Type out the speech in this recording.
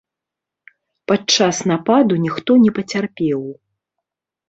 Падчас нападу ніхто не пацярпеў.